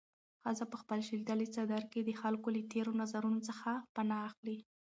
ښځه په خپل شلېدلي څادر کې د خلکو له تېرو نظرونو څخه پناه اخلي.